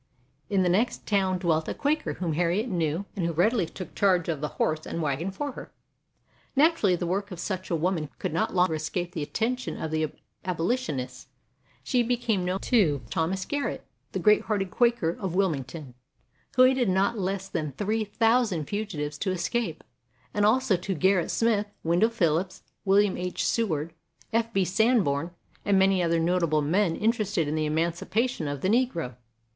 In the next town dwelt a Quaker whom Harriet knew and who readily took charge of the horse and wagon for her. Naturally the work of such a woman could not long escape the attention of the abolitionists. She became known to Thomas Garrett, the great hearted Quaker of Wil mington, who aided not less than three thou sand fugitives to escape, and also to Gerrit Smith, Wendell Phillips, William H. Seward, F. B. Sanborn, and many other notable men interested in the emancipation of the Xegro.